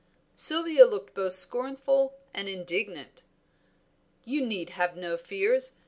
Sylvia looked both scornful and indignant. "You need have no fears.